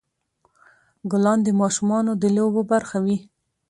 ګلان د ماشومانو د لوبو برخه وي.